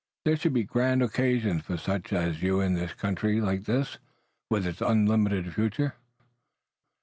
There should be grand occasions for such as you in a country like this, with its unlimited future."